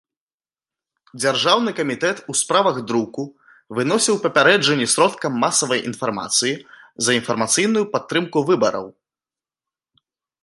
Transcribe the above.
Дзяржаўны камітэт у справах друку выносіў папярэджанні сродкам масавай інфармацыі за інфармацыйную падтрымку выбараў.